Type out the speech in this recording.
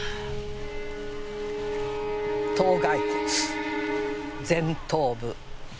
頭蓋骨前頭部。